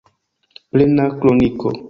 Plena kroniko.